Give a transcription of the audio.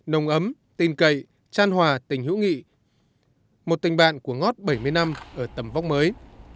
nồng ấm tin cậy tran hòa tình hữu nghị một tình bạn của ngót bảy mươi năm ở tầm vóc mới